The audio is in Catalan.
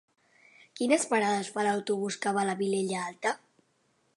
Quines parades fa l'autobús que va a la Vilella Alta?